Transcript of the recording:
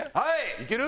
いける？